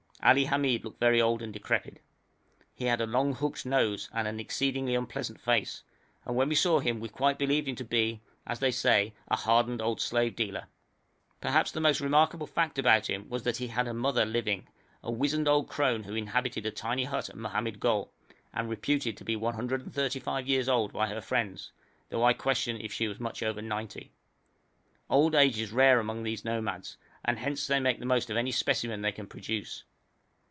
Ali Hamid looked very old and decrepit. He had a long hooked nose and exceedingly unpleasant face, and when we saw him we quite believed him to be, as they say, a hardened old slave dealer. Perhaps the most remarkable fact about him was that he had a mother living, a wizened old crone who inhabited a tiny hut at Mohammed Gol, and reputed to be 135 years old by her friends, though I question if she was much over 90. Old age is rare among these nomads, and hence they make the most of any specimen they can produce.